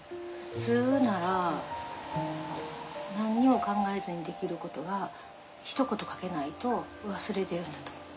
普通なら何にも考えずにできる事がひと言かけないと忘れてるんだと思う。